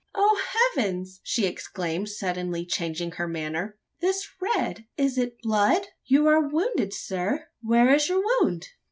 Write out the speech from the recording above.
"O heavens!" she exclaimed, suddenly changing her manner, "this red? It is blood! You are wounded, sir? Where is your wound?"